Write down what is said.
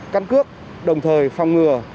cân cướp đồng thời phòng ngừa